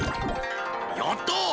やった！